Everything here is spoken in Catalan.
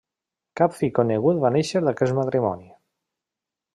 Cap fill conegut va néixer d'aquest matrimoni.